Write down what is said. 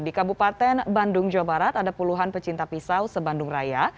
di kabupaten bandung jawa barat ada puluhan pecinta pisau se bandung raya